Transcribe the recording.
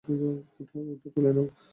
ওটা তুলে নাও।